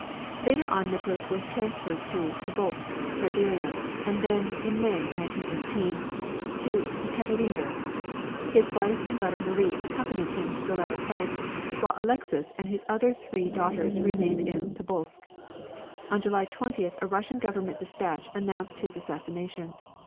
Later on Nicholas was transferred to Tobolsk, Siberia, and then, in May, 1918, to Yekaterinberg. His wife and his daughter Marie accompanied him to the latter place, while Alexis and his other three daughters remained in Tobolsk. On July 20th a Russian government dispatch announced his assassination.